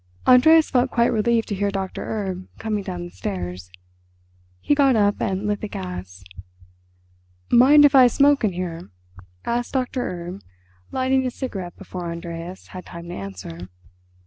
Andreas felt quite relieved to hear Doctor Erb coming down the stairs; he got up and lit the gas. "Mind if I smoke in here?" asked Doctor Erb, lighting a cigarette before Andreas had time to answer.